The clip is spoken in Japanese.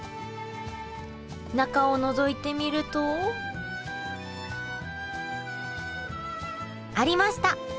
中をのぞいてみるとありました！